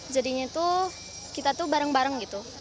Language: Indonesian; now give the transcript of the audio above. jadinya tuh kita tuh bareng bareng gitu